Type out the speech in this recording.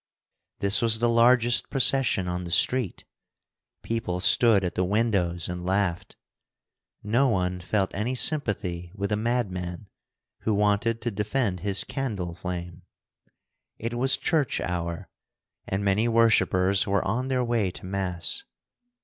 This was the largest procession on the street. People stood at the windows and laughed. No one felt any sympathy with a madman, who wanted to defend his candle flame. It was church hour, and many worshipers were on their way to Mass.